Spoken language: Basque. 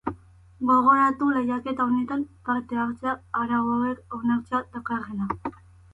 Gogoratu lehiaketa honetan parte hartzeak arau hauek onartzea dakarrela.